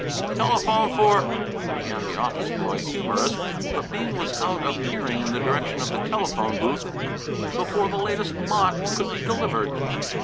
"Telephone for " began the office boy humourist, but Bean was out of hearing in the direction of the telephone booth before the latest mot could be delivered.